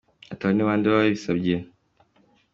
Ati, « Abo ni bande babibasabye ?